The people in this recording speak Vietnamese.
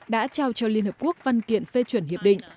đã trao cho liên hợp quốc văn kiện phê chuẩn hiệp định